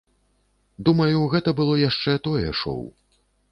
Думаю, гэта было яшчэ тое шоў.